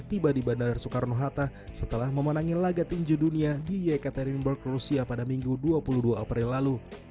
tiba di bandara soekarno hatta setelah memenangi laga tinju dunia di yekaterinburg rusia pada minggu dua puluh dua april lalu